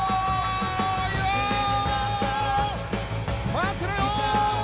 待ってろよ！